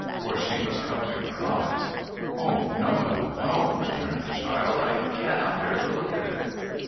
' For she was covering her eyes. ' O no, no, no !' returned the child. ' I cannot bear to look at it